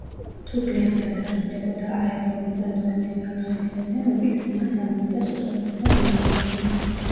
თუ გლეხი დათანხმდებოდა აეღო მიწა ნორმის მეოთხედის ოდენობით, მას ამ მიწას უსასყიდლოდ მისცემდნენ.